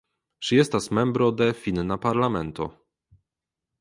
Ŝi estas membro de finna parlamento.